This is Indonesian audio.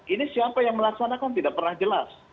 ini siapa yang melaksanakan tidak pernah jelas